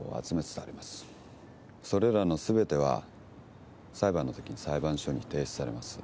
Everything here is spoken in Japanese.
それらのすべては裁判のときに裁判所に提出されます。